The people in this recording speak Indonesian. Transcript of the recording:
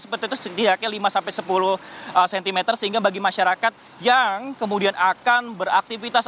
seperti itu setidaknya lima sampai sepuluh cm sehingga bagi masyarakat yang kemudian akan beraktivitas